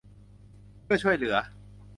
เพื่อช่วยเหลือ